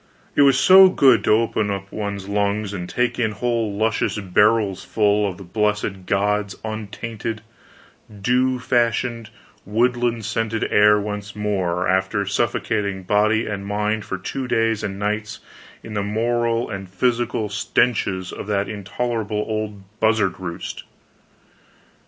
It was so good to open up one's lungs and take in whole luscious barrels ful of the blessed God's untainted, dew fashioned, woodland scented air once more, after suffocating body and mind for two days and nights in the moral and physical stenches of that intolerable old buzzard roost!